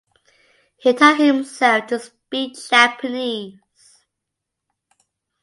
He taught himself to speak Japanese.